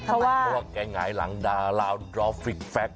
เพราะว่าแก่ไหงหลังดาลาวดรอฟฟฟริกแฟก